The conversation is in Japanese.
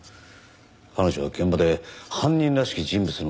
彼女は現場で犯人らしき人物の声を聞いていた。